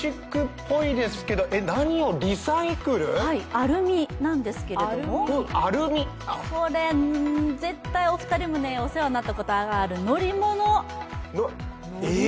アルミなんですけれども、これ、絶対、お二人もお世話になったことある乗り物。